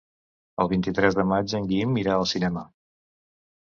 El vint-i-tres de maig en Guim irà al cinema.